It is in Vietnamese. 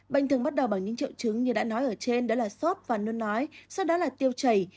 bệnh thường bắt đầu bằng những triệu chứng như đã nói ở trên đó là sốt và nôn nói sau đó là tiêu chảy